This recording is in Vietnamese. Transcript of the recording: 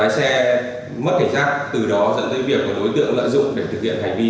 lái xe mất cảnh sát từ đó dẫn tới việc của đối tượng lợi dụng để thực hiện hành vi cướp tài sản